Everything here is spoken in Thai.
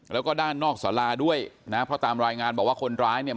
แล้วก็ด้านนอกสาราด้วยนะเพราะตามรายงานบอกว่าคนร้ายเนี่ย